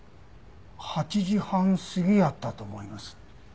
８時半過ぎやったと思います。